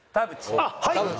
あっはい。